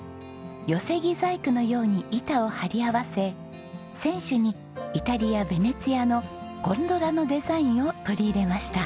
寄せ木細工のように板を張り合わせ船首にイタリアベネチアのゴンドラのデザインを取り入れました。